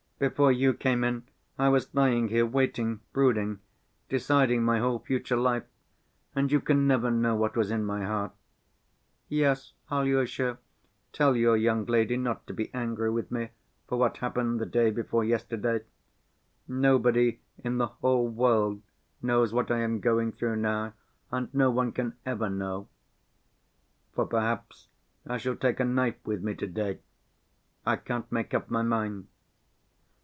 Before you came in, I was lying here waiting, brooding, deciding my whole future life, and you can never know what was in my heart. Yes, Alyosha, tell your young lady not to be angry with me for what happened the day before yesterday.... Nobody in the whole world knows what I am going through now, and no one ever can know.... For perhaps I shall take a knife with me to‐day, I can't make up my mind